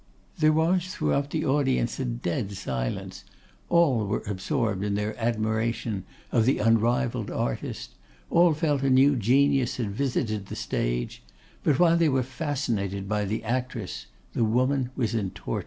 There was, throughout the audience, a dead silence; all were absorbed in their admiration of the unrivalled artist; all felt a new genius had visited the stage; but while they were fascinated by the actress, the woman was in torture.